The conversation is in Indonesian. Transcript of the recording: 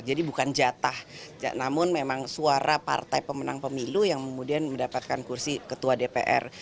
jadi bukan jatah namun memang suara partai pemenang pemilu yang kemudian mendapatkan kursi ketua dpr